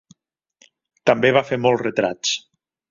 També va fer molts retrats.